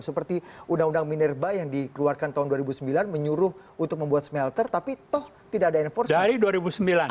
seperti undang undang minerba yang dikeluarkan tahun dua ribu sembilan menyuruh untuk membuat smelter tapi toh tidak ada enforcement